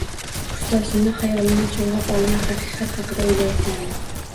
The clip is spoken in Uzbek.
Kursdoshimni hayolini cho’lg’ab olgan haqiqat haqida o’ylayotgandi.